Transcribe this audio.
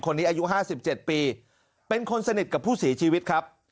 คนนี้อายุห้าสิบเจ็ดปีเป็นคนสนิทกับผู้สีชีวิตครับ